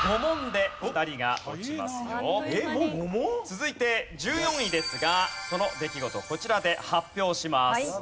続いて１４位ですがその出来事こちらで発表します。